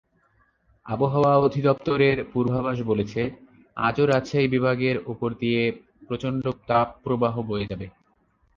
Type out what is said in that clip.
আবহাওয়া অধিদপ্তরের পূর্বাভাস বলছে, আজও রাজশাহী বিভাগের ওপর দিয়ে প্রচণ্ড তাপপ্রবাহ বয়ে যাবে।